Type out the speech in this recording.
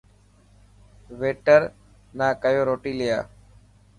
ويٽر ناڪيو روٽي لي آءِ.